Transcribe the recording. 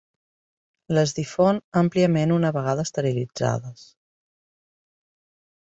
Les difon àmpliament una vegada esterilitzades.